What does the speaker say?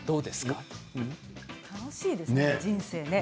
楽しいですね、人生ね。